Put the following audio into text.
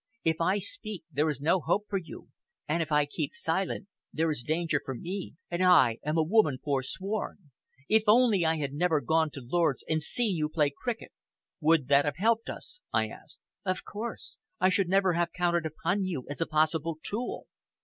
If I speak, there is no hope for you, and if I keep silent, there is danger for me, and I am a woman forsworn. If only I had never gone to Lord's and seen you play cricket!" "Would that have helped us?" I asked. "Of course! I should never have counted upon you as a possible tool!